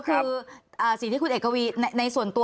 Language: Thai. คุณเอกวีสนิทกับเจ้าแม็กซ์แค่ไหนคะ